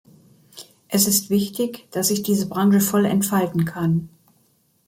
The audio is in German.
Es ist wichtig, dass sich diese Branche voll entfalten kann.